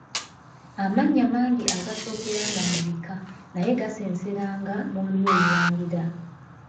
Amannya mangi agaasookeranga mu bika, naye gaasenseranga mu lulyo olulangira.